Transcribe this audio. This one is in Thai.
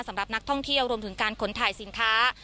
สำหรับนักท่องเที่ยวรวมถึงการขนถ่ายสินค้า